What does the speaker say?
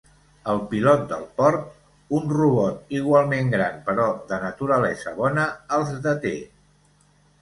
El pilot del port, un robot igualment gran però de naturalesa bona, els deté.